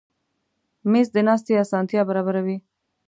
مېز د ناستې اسانتیا برابروي.